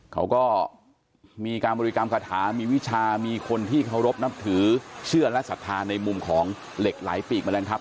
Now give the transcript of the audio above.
เขาก็มีการบริกรรมคาถามีวิชามีคนที่เคารพนับถือเชื่อและศรัทธาในมุมของเหล็กไหลปีกแมลงครับ